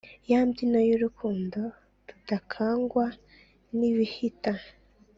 Ya mbyino y’urukundo rudakangwa n’ibihita